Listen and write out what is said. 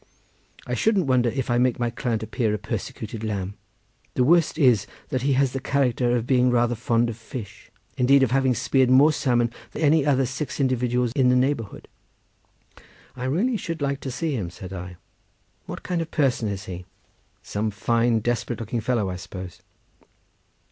I shouldn't wonder if I make my client appear a persecuted lamb. The worst is, that he has the character of being rather fond of fish—indeed, of having speared more salmon than any other six individuals in the neighbourhood." "I really should like to see him," said I; "what kind of person is he? some fine, desperate looking fellow, I suppose?"